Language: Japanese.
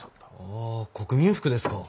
ああ国民服ですか。